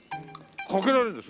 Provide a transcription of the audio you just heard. かけられるんだよ